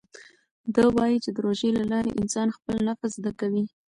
ده وايي چې د روژې له لارې انسان خپل نفس زده کوي.